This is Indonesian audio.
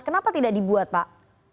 kenapa tidak dibuat pak